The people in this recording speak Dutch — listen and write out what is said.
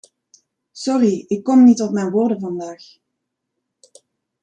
Sorry, ik kom niet op mijn woorden vandaag.